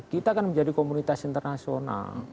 kita kan menjadi komunitas internasional